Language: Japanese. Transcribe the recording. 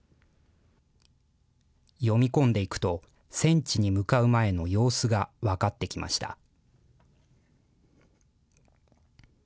読み込んでいくと、戦地に向かう前の様子が分かってきました。